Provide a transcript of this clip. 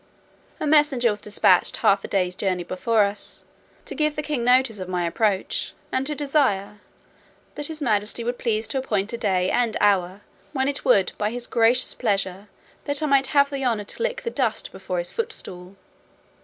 A messenger was despatched half a day's journey before us, to give the king notice of my approach, and to desire, "that his majesty would please to appoint a day and hour, when it would by his gracious pleasure that I might have the honour to lick the dust before his footstool."